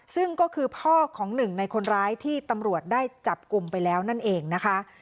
ซึ่งก็คือพ่อของหนึ่งในคนร้ายที่ตำรวจได้จับกลุ่มไปแล้วนั่นเองนะคะ